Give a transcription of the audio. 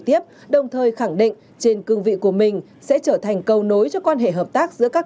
tiếp đồng thời khẳng định trên cương vị của mình sẽ trở thành cầu nối cho quan hệ hợp tác giữa các